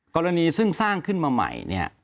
กรณีซึ่งสร้างขึ้นมาใหม่